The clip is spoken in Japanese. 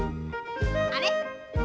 あれ？